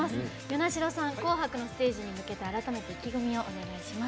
與那城さん「紅白」のステージに向けて改めて意気込みをお願いします。